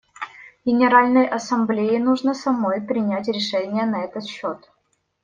Генеральной Ассамблее нужно самой принять решение на этот счет.